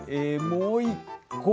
もう１個。